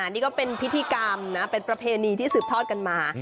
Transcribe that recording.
นี่ก็เป็นพิธีกรรมนะเป็นประเพณีที่สืบทอดกันมา